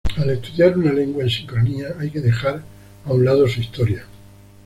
Al estudiar una lengua en sincronía hay que dejar a un lado su historia.